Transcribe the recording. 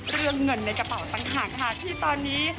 เรื่องเงินในกระเป๋าต่างหากค่ะที่ตอนนี้